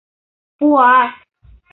— Пуа.